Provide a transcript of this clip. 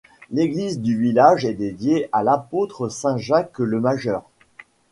L'église du village est dédiée à l'apôtre saint Jacques le Majeur.